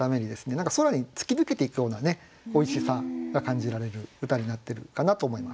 何か空に突き抜けていくようなおいしさが感じられる歌になってるかなと思います。